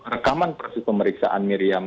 rekaman proses pemeriksaan miriam